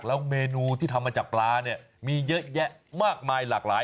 แล้วเมนูที่ทำมาจากปลาเนี่ยมีเยอะแยะมากมายหลากหลาย